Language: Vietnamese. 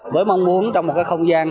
với mong muốn trong một không gian